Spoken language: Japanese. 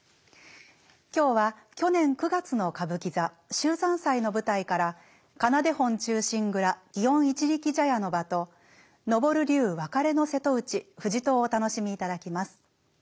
今日は去年９月の歌舞伎座秀山祭の舞台から「仮名手本忠臣蔵園一力茶屋の場」と「昇龍哀別瀬戸内藤戸」をお楽しみいただきます。